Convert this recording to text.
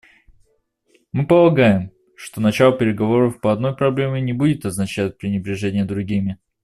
Мы полагаем, что начало переговоров по одной проблеме не будет означать пренебрежение другими.